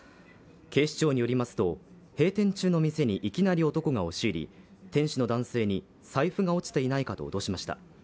警視庁によりますと、閉店中の店にいきなり男が押し入り店主の男性に財布が落ちていないかと脅しました。